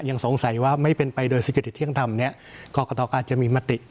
ยังสงสัยว่าไม่เป็นไปโดยเศรษฐกิจเที่ยงธรรมเนี่ยกรกตก็อาจจะมีมติ